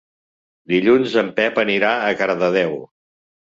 Dilluns en Pep anirà a Cardedeu.